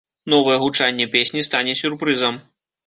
Новае гучанне песні стане сюрпрызам.